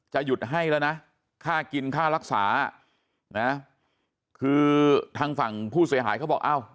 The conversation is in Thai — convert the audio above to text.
หยุดให้แล้วนะค่ากินค่ารักษานะคือทางฝั่งผู้เสียหายเขาบอกอ้าว